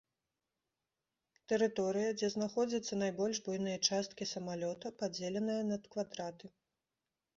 Тэрыторыя, дзе знаходзяцца найбольш буйныя часткі самалёта, падзеленая на квадраты.